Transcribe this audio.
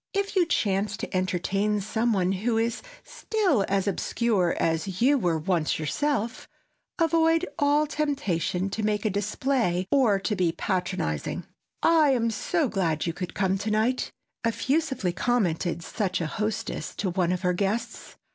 If you chance to entertain some one who is still as obscure as you were once yourself, avoid all temptation to make a display or to be patronizing. "I am so glad you could come to night," effusively commented such a hostess to one of her guests.